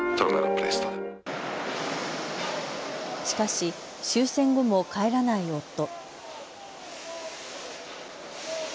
しかし終戦後も帰らない夫。